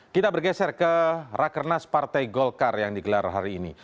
kita bergeser ke rakernas partai golkar yang digelar hari ini